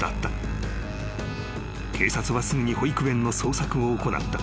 ［警察はすぐに保育園の捜索を行った］